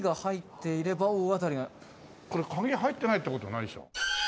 「これ鍵入ってないって事ないでしょ」